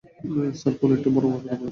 Sir, খুন একটা বড় মাপের অপরাধ।